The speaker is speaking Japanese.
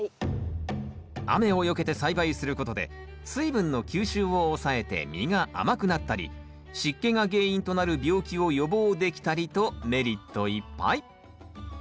雨をよけて栽培することで水分の吸収を抑えて実が甘くなったり湿気が原因となる病気を予防できたりとメリットいっぱい。